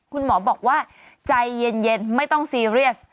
คุณหมอบอกว่าใจเย็นไม่ต้องซีเรียส